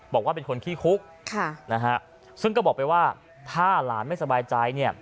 บอกว่าเป็นคนขี้คุกซึ่งก็บอกไปว่าถ้าหลานไม่สบายใจเนี่ย